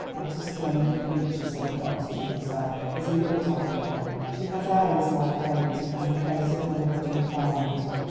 "What a splendid creature," said the doctor to himself as he looked after her. "She has eyes like Fate, and the face of Motherhood Incarnate.